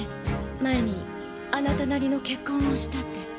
前にあなたなりの結婚をしたって。